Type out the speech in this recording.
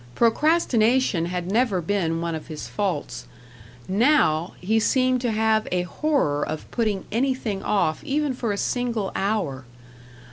Procrastination had never been one of his faults; now, he seemed to have a horror of putting anything off even for a single hour.